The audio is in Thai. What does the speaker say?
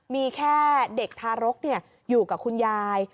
มีแค่เด็กทารกอยู่กับคุณยาย